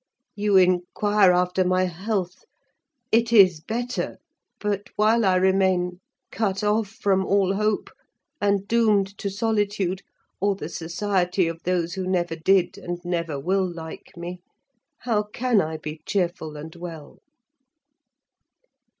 You inquire after my health—it is better; but while I remain cut off from all hope, and doomed to solitude, or the society of those who never did and never will like me, how can I be cheerful and well?"